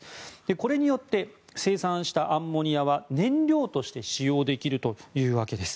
これによって生産したアンモニアは燃料として使用できるというわけです。